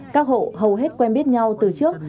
các hộ hầu hết quen biết nhau từ trước